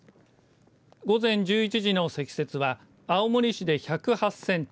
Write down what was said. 午前１１時の積雪は青森市で１０８センチ